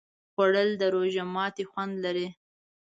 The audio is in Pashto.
خوړل د روژه ماتي خوند لري